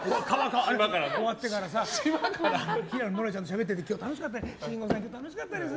終わってからさ平野ノラちゃんとしゃべってて慎吾さん、今日楽しかったです。